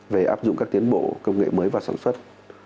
về áp dụng các tiến bộ công nghệ mới vào sản xuất